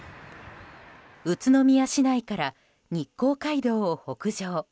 宇都宮市内から日光街道を北上。